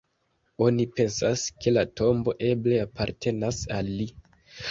Oni pensas, ke la tombo eble apartenas al li.